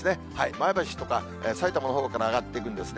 前橋とかさいたまのほうから上がっていくんですね。